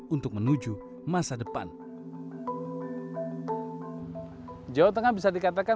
untuk menuju masa depan jawa tengah bisa dikatakan